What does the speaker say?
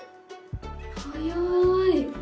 早い。